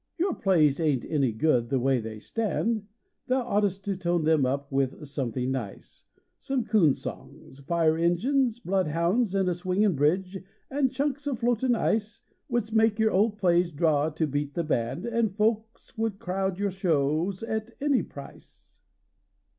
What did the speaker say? Your plays ain t any good the way they stand: Thou ought st to tone them up with something nice Some coon songs, fire engines, blood hounds and A swingin bridge and chunks of floatin ice Wouldst make your old plays draw to beat the band, And folks wouldst crowd your show at any price!